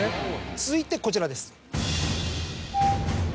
続いてこちらです。